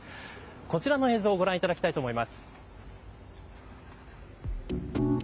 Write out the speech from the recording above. こちらの映像をご覧いただきたいと思います。